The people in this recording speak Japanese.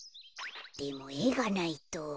でもえがないと。